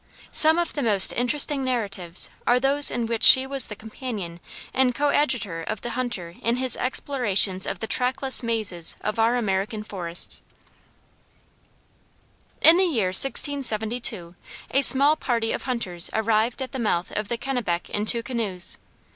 Some of the most interesting narratives are those in which she was the companion and coadjutor of the hunter in his explorations of the trackless mazes of our American forests. In the year 1672 a small party of hunters arrived at the mouth of the Kennebec in two canoes.